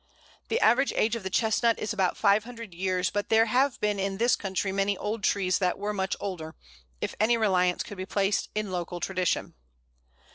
The average age of the Chestnut is about five hundred years, but there have been in this country many old trees that were much older, if any reliance could be placed in local tradition.